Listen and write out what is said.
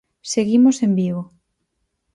Seguimos en Vigo.